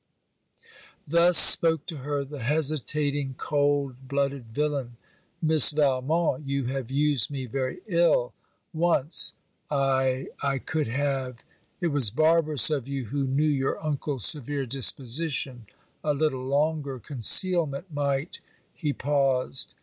Thus spoke to her the hesitating cold blooded villain 'Miss Valmont, you have used me very ill once I I could have it was barbarous of you who knew your uncle's severe disposition a little longer concealment might ' He paused.